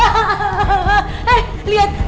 eh liat ya